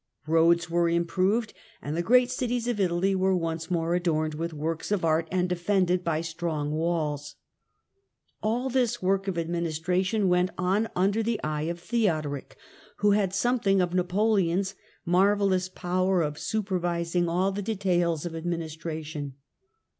Roads were improved, and the great cities of Italy were once more adorned with works of art and defended by strong walls, All this work of administration went on under the eye of Theodoric, who had something of Napoleon'! marvellous power of supervising all the details oi administration.